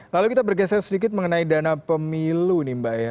lalu kita bergeser sedikit mengenai dana pemilu nih mbak ya